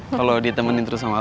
kalo ditemenin terus sama lo